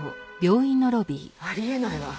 あり得ないわ。